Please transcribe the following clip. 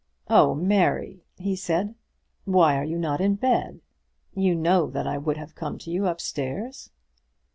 "Oh, Mary!" he said, "why are you not in bed? You know that I would have come to you up stairs."